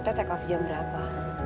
kita take off jam berapa